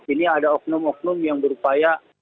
ini ada okno okno yang berupaya